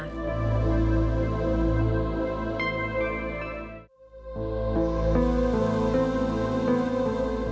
อืม